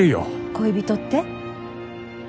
恋人って？